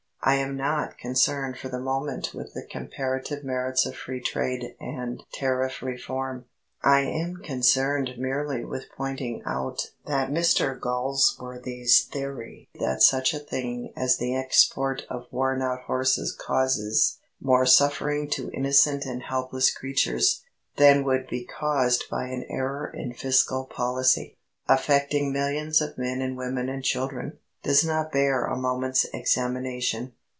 I am not concerned for the moment with the comparative merits of Free Trade and Tariff Reform. I am concerned merely with pointing out that Mr Galsworthy's theory that such a thing as the export of worn out horses causes "more suffering to innocent and helpless creatures" than would be caused by an error in fiscal policy, affecting millions of men and women and children, does not bear a moment's examination.